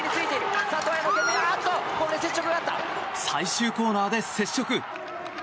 最終コーナーで接触。